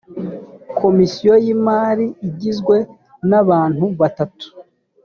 komisiyo y’imari igizwe n abantu batatu